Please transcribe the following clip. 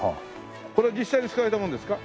これ実際に使われたものですか？